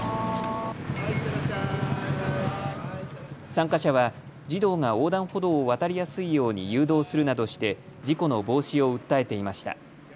参加者は児童が横断歩道を渡りやすいように誘導するなどして事故の防止を訴えていました。